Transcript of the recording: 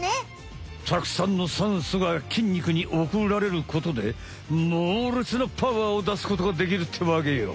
たくさんのさんそが筋肉におくられることでもうれつなパワーを出すことができるってわけよ！